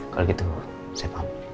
kalau gitu saya pam